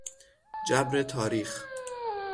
جبر تاریخ